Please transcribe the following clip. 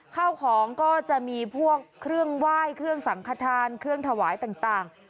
ข้าวของก็จะมีพวกเครื่องไหว้เครื่องสังขทานเครื่องถวายต่าง